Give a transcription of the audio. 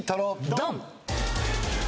ドン！